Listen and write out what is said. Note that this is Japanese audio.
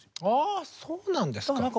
ああそうなんですか。